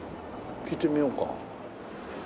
聞いてみようか。